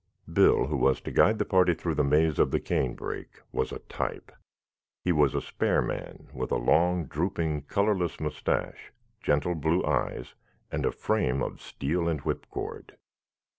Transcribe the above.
Bill, who was to guide the party through the maze of the canebrake, was a type. He was a spare man, with a long, drooping, colorless moustache, gentle blue eyes, and a frame of steel and whipcord.